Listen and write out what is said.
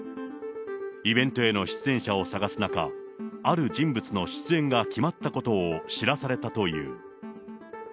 イベントへの出演者を探す中、ある人物の出演が決まったことを知らされたという。